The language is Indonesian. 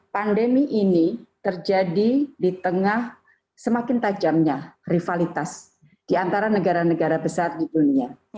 pandemi ini terjadi di tengah semakin tajamnya rivalitas di antara negara negara besar di dunia